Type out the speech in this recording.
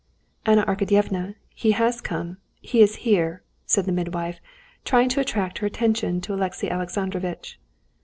"Anna Arkadyevna, he has come. Here he is!" said the midwife, trying to attract her attention to Alexey Alexandrovitch.